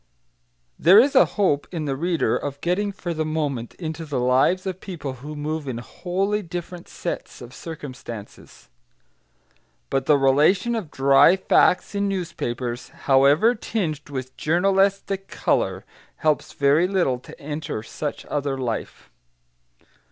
There is a hope, in the reader, of getting for the moment into the lives of people who move in wholly different sets of circumstances. But the relation of dry facts in newspapers, however tinged with journalistic colour, helps very little to enter such other life.